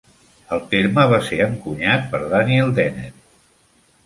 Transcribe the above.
El terme va ser encunyat per Daniel Dennett.